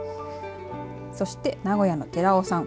そして名古屋の寺尾さん。